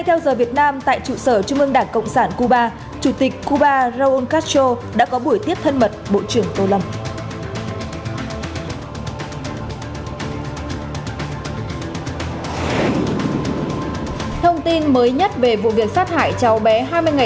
hãy đăng ký kênh để ủng hộ kênh của chúng tôi nhé